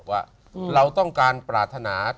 ว่าเราต้องการปรารถนา